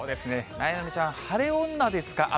なえなのちゃん、晴れ女ですか？